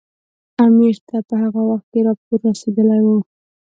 امیر ته په هغه وخت کې راپور رسېدلی وو.